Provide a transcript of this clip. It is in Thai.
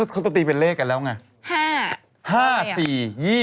ก็ต้องตีเป็นเลขกันแล้วไง